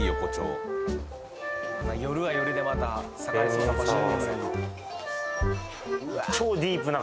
夜は夜でまた栄えそうな場所やね